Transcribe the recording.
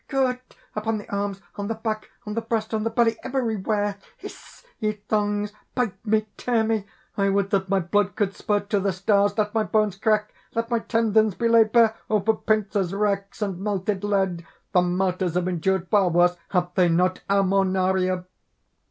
good! upon the arms, on the back, on the breast, on the belly everywhere! Hiss, ye thongs! bite me! tear me! I would that my blood could spurt to the stars! let my bones crack! let my tendons be laid bare! O for pincers, racks, and melted lead! The martyrs have endured far worse; have they not, Ammonaria?"